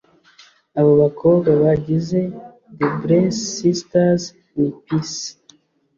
Abo bakobwa bagize The Blessed Sisters ni Peace